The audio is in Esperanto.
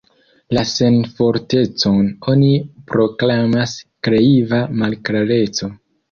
La senfortecon oni proklamas kreiva malklareco.